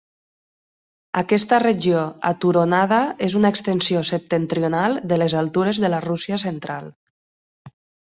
Aquesta regió aturonada és una extensió septentrional de les Altures de la Rússia Central.